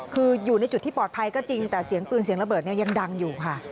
คืออยู่ในจุดที่ปลอดภัยก็จริงแต่เสียงปืนเสียงระเบิดเนี่ยยังดังอยู่ค่ะ